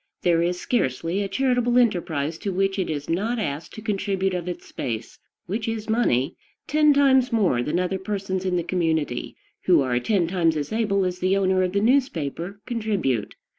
There is scarcely a charitable enterprise to which it is not asked to contribute of its space, which is money, ten times more than other persons in the community, who are ten times as able as the owner of the newspaper, contribute.